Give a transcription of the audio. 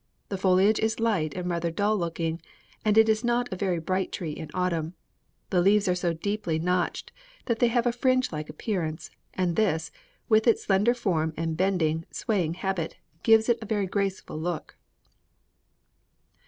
The foliage is light and rather dull looking, and it is not a very bright tree in autumn. The leaves are so deeply notched that they have a fringe like appearance, and this, with its slender form and bending, swaying habit, gives it a very graceful look."